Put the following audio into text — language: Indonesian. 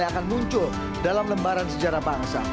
yang akan muncul dalam lembaran sejarah bangsa